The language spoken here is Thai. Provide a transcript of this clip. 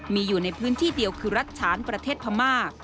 มีอยู่ในพื้นที่เดียวคือรัฐฉานประเทศพม่า